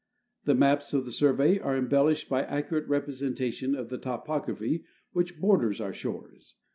The maps of the Survey are embellished by accurate repre sentation of the topography which borders our shores.